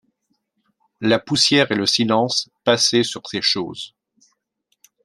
La poussière et le silence passaient sur ces choses.